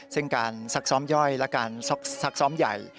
ซึ่งการซักซ้อมย่อยและการซักซ้อมใหญ่